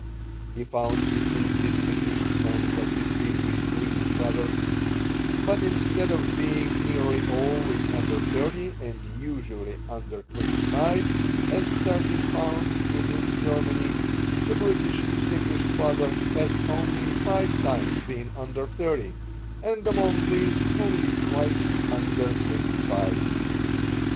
He found fifteen distinguished sons of distinguished British fathers, but instead of being nearly always under thirty and usually under twenty five, as Vaerting found it in Germany, the British distinguished father has only five times been under thirty, and among these only twice under twenty five.